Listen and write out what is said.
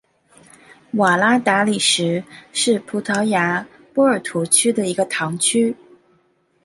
瓦拉达里什是葡萄牙波尔图区的一个堂区。